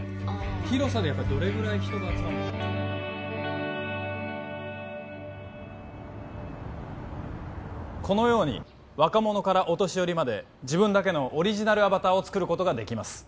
広さでやっぱりどれぐらい人が集まるのかこのように若者からお年寄りまで自分だけのオリジナルアバターを作ることができます